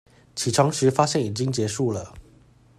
起床時發現已經結束了